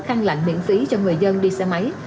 khăn lạnh miễn phí cho người dân đi xe máy